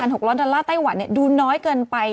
๓๖๐๐ธรรมดาไต้หวันเนี่ยดูน้อยเกินไป